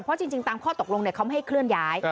เพราะจริงตามข้อตกลงเขาไม่ให้เคลื่อนย้าย